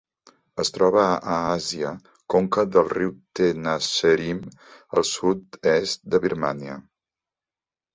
Es troba a Àsia: conca del riu Tenasserim al sud-est de Birmània.